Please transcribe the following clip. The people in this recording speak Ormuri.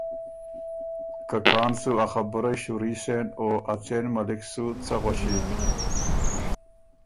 که کان سو ا خبُرئ شُوري سېن او ا څېن مَلِک سُو څۀ غؤݭی۔